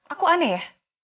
aku aneh ya